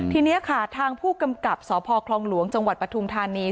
ทีนี้ค่ะทางผู้กำกับสพคลองหลวงจังหวัดปฐุมธานี